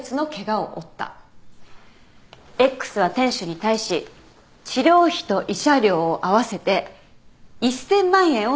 Ｘは店主に対し治療費と慰謝料を合わせて１，０００万円を請求したいと言っている。